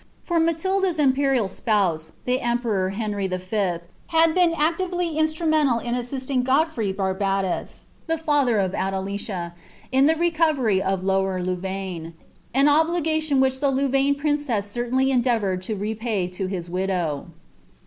for Matilda^s imperial spouse, the rvnfKtvt Henry V., had been actively instrumental in assisting Godfrey J Ba^a.iu>t (he father of Adelicia. in the recovery of Lower Louvaine— ■ I ■n obligkiidii which the Louvaine princess certainly endeavoured tv4 npay to hia widow.